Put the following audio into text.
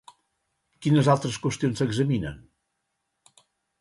Quines altres qüestions s'examinen?